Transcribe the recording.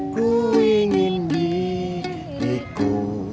ku ingin diriku